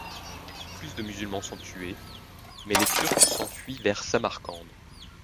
Plus de musulmans sont tués mais les Turcs s'enfuient vers Samarcande.